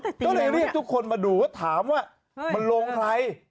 ก็เลยเรียกทุกคนมาดูว่าถามว่ามันลงใคร